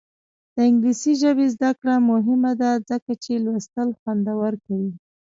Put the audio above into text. د انګلیسي ژبې زده کړه مهمه ده ځکه چې لوستل خوندور کوي.